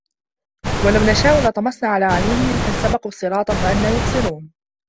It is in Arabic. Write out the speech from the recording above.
وَلَو نَشاءُ لَطَمَسنا عَلى أَعيُنِهِم فَاستَبَقُوا الصِّراطَ فَأَنّى يُبصِرونَ